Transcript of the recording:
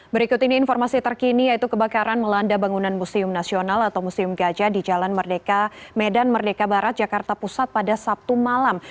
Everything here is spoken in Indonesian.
berikut ini informasi terkini yaitu kebakaran melanda bangunan museum nasional atau museum gajah di jalan merdeka medan merdeka barat jakarta pusat pada sabtu malam